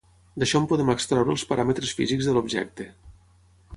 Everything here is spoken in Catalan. D'això en podem extreure els paràmetres físics de l'objecte.